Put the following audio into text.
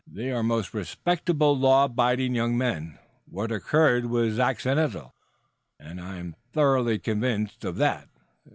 "They are most respectable, law abiding young men. What occurred was accidental. I am thoroughly convinced of that.